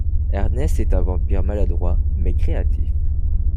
Ernest est un vampire maladroit, mais créatif.